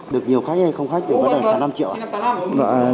được nhiều khách hay không khách của vấn đề tám mươi năm triệu ạ